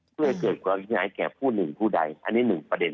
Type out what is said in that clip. เพื่อเกิดกรรมงานใหญ่แก่ผู้หนึ่งผู้ใดอันนี้๑ประเด็น